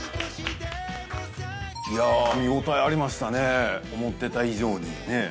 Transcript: いや見応えありましたね思ってた以上にねぇ？